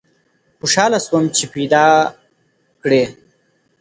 خوشحاله سوم چي پیداکړې